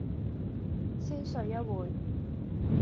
先睡一會